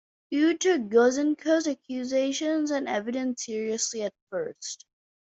Few took Gouzenko's accusations and evidence seriously at first.